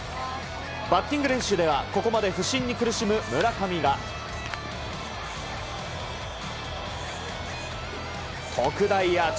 バッティング練習ではここまで不振に苦しむ村上が特大アーチ。